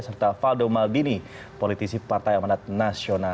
serta faldo maldini politisi partai amanat nasional